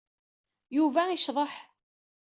Yuba iceḍḍeḥ.